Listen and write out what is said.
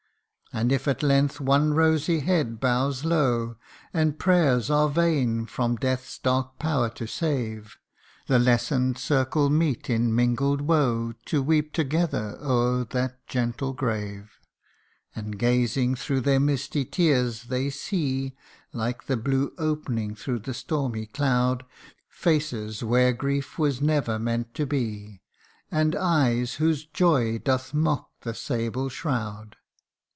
And if at length one rosy head bows low, And prayers are vain from death's dark power to save, The lessen'd circle meet in mingled woe To weep together o'er that gentle grave : And, gazing through their misty tears, they see (Like the blue opening through the stormy cloud) Faces where grief was never meant to be, And eyes whose joy doth mock the sable shroud.